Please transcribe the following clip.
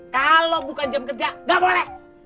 kalau bukan jam kerja nggak boleh